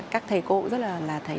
các thầy cô cũng rất là thấy